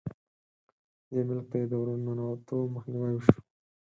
دې ملک ته یې د ورننوتو مخنیوی وشو.